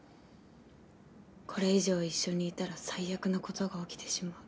これ以上一緒にいたら最悪の事が起きてしまう。